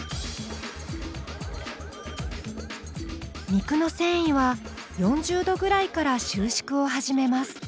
肉の繊維は４０℃ぐらいから収縮を始めます。